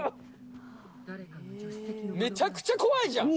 めちゃくちゃ怖いじゃん。